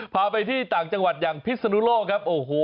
พาไปที่ต่างจังหวัดอย่างพิศนุโลกครับโอ้โห